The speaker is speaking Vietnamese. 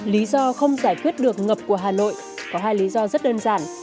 lý do không giải quyết được ngập của hà nội có hai lý do rất đơn giản